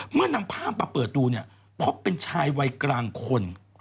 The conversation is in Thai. นำภาพมาเปิดดูเนี่ยพบเป็นชายวัยกลางคน